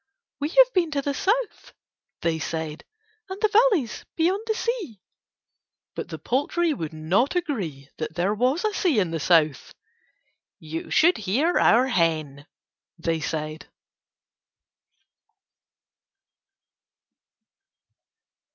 "We have been to the South," they said, "and the valleys beyond the sea." But the poultry would not agree that there was a sea in the South: "You should hear our hen," they said.